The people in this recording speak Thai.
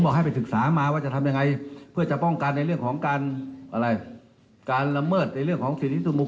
การศึกษาเนี่ยยังไม่ได้นำไปสู่